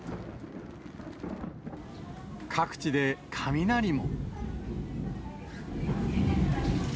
各地で雷も。